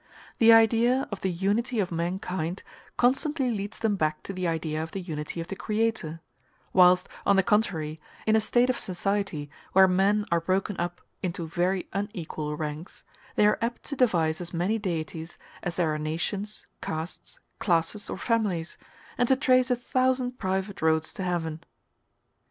The idea of the unity of mankind constantly leads them back to the idea of the unity of the Creator; whilst, on the contrary, in a state of society where men are broken up into very unequal ranks, they are apt to devise as many deities as there are nations, castes, classes, or families, and to trace a thousand private roads to heaven.